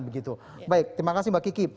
begitu baik terima kasih mbak kiki